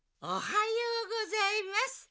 おはようございます。